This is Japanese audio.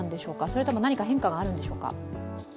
それとも何か変化があるんでしょうか。